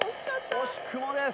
惜しくもです。